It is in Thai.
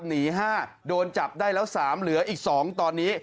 หนี๕โดนจับได้แล้ว๓เหลืออีก๒ตอนนี้